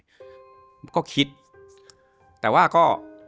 ก็คิดแต่ว่าก็